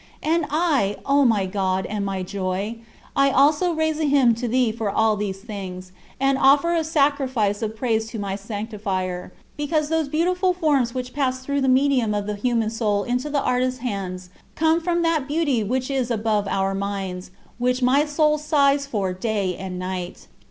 And I, O my God and my Joy, I also raise a hymn to thee for all these things, and offer a sacrifice of praise to my Sanctifier, because those beautiful forms which pass through the medium of the human soul into the artist's hands come from that beauty which is above our minds, which my soul sighs for day and night.